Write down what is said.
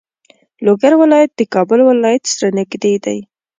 لوګر ولایت د کابل ولایت سره نږدې دی.